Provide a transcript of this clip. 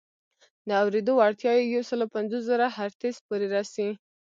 د اورېدو وړتیا یې یو سل پنځوس زره هرتز پورې رسي.